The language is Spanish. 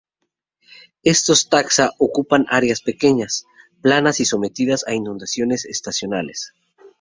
Estos taxa ocupan áreas pequeñas, planas y sometidas a inundaciones estacionales.